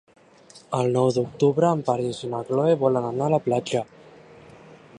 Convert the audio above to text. El nou d'octubre en Peris i na Cloè volen anar a la platja.